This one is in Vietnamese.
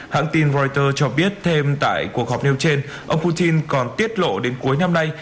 hãng tin reuters cho biết thêm tại cuộc họp nêu trên ông putin còn tiết lộ đến cuối năm nay